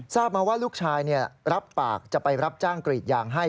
ทราบมาว่าลูกชายรับปากจะไปรับจ้างกรีดยางให้